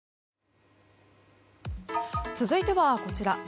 続いては、こちら。